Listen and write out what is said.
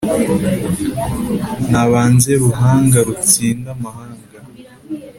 nabanze ruhanga rutsinda amahanga,